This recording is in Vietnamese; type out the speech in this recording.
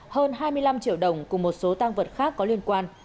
hơn hai mươi năm triệu đồng cùng một số tăng vật khác có liên quan